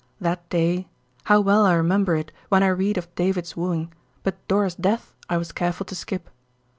That day—how well I remember it when I read of "David's" wooing, but Dora's death I was careful to skip.